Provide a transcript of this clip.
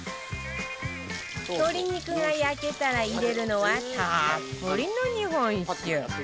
鶏肉が焼けたら入れるのはたっぷりの日本酒